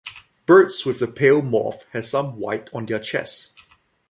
Birds with the pale morph have some white on their chest.